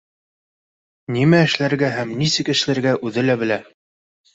Нимә эшләргә һәм нисек эшләргә үҙе лә белә